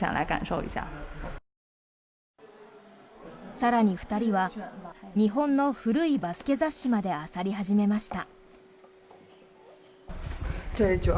更に２人は日本の古いバスケ雑誌まであさり始めました。